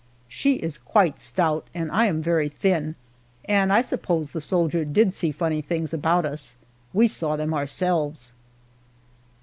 She is quite stout and I am very thin, and I suppose the soldier did see funny things about us. We saw them ourselves.